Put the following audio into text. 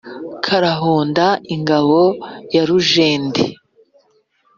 Karahunda ingabo ya Rujende.